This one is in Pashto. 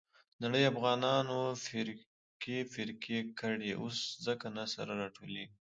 نړۍ افغانان فرقې فرقې کړي. اوس ځکه نه سره راټولېږي.